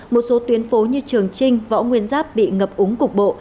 một số tuyến phố như trường trinh võ nguyên giáp bị ngập úng cục bộ